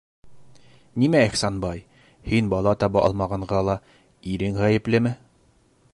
Нимә Ихсанбай? һин бала таба алмағанға ла ирең ғәйеплеме?